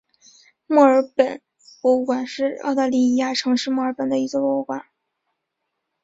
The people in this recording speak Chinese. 墨尔本博物馆是澳大利亚城市墨尔本的一座博物馆。